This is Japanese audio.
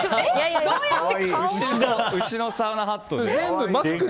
牛のサウナハットで。